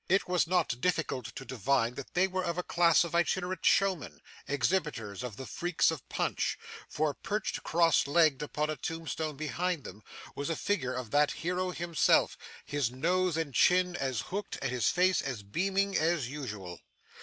It was not difficult to divine that they were of a class of itinerant showmen exhibitors of the freaks of Punch for, perched cross legged upon a tombstone behind them, was a figure of that hero himself, his nose and chin as hooked and his face as beaming as usual.